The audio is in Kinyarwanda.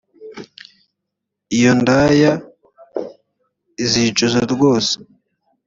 iyo ndaya izicuza rwose